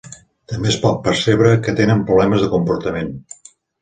També es pot percebre que tenen problemes de comportament.